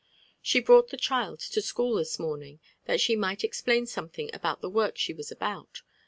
She brought the child to school this moraiiig, that she might explain something about the work she was about